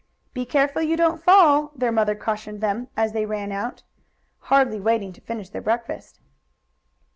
"Be careful you don't fall," their mother cautioned them, as they ran out, hardly waiting to finish their breakfast.